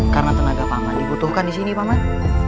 karena tenaga pak man dibutuhkan di sini pak man